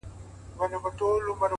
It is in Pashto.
پر دغه لار که مي قدم کښېښود پاچا به سم’